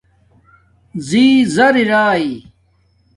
ڎی ڎِر اری